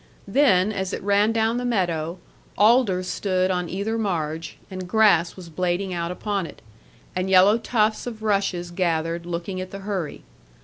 Then, as it ran down the meadow, alders stood on either marge, and grass was blading out upon it, and yellow tufts of rushes gathered, looking at the hurry.